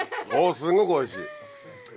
すごくおいしい！